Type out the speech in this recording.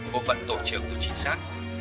bộ phận tổ chức của chính sách